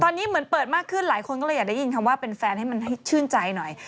ตอนนี้เหมือนเปิดมากขึ้นหลายคนก็เลยอยากได้ยินคำว่าเป็นแฟนให้มันให้ชื่นใจหน่อย